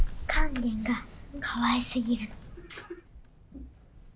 勸玄がかわいすぎるの。